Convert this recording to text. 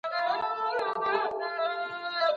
انسان بايد له جنايت څخه ډډه وکړي.